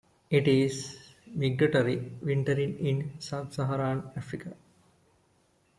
It is migratory, wintering in sub-Saharan Africa.